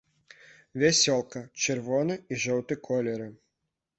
Вясёлка, чырвоны і жоўты колеры.